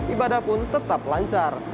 ibadah pun tetap lancar